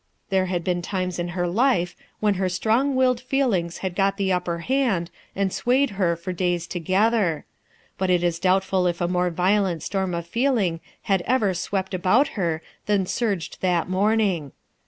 There had been times in her life when her strong willed feelings had got the upper hand and swayed her for days together ; but it is doubtful if a more violent storm of feeling had ever swept about her than surged that morning.